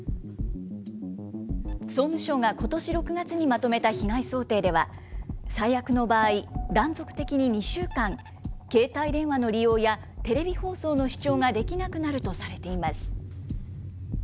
総務省がことし６月にまとめた被害想定では、最悪の場合、断続的に２週間、携帯電話の利用やテレビ放送の視聴ができなくなるとされています。